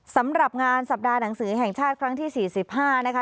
สำหรับงานสัปดาห์หนังสือแห่งชาติครั้งที่๔๕นะคะ